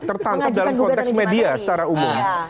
tertangkap dalam konteks media secara umum